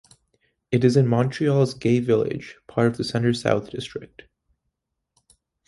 It is in Montreal's Gay Village, part of the Centre-South district.